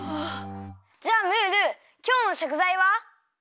じゃあムールきょうのしょくざいは？